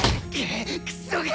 クソが！